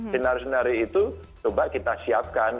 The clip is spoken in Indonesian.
senarai senarai itu coba kita siapkan